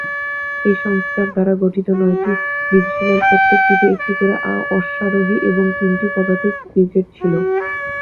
এই সংস্কার দ্বারা গঠিত নয়টি ডিভিশনের প্রত্যেকটিতে একটি করে অশ্বারোহী এবং তিনটি পদাতিক ব্রিগেড ছিল।